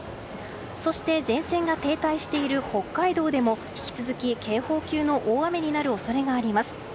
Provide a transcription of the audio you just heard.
そして前線が停滞している北海道でも引き続き警報級の大雨になる恐れがあります。